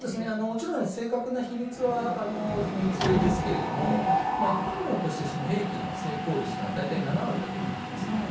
もちろん正確な比率は秘密ですが一般論として兵器の成功率というのは大体７割だといわれています。